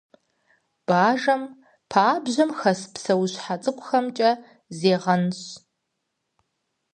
Бажэм пабжьэм хэс псэущхьэ цӀыкӀухэмкӀэ зегъэнщӀ.